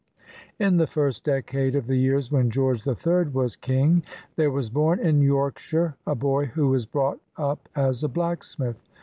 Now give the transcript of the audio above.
In the first decade of the years when George III was king, there was born in Yorkshire a boy who was brought up as a blacksmith.